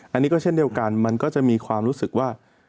อันนี้ก็เช่นเดียวกันมันก็จะมีความรู้สึกว่า